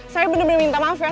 saya bener bener minta maaf ya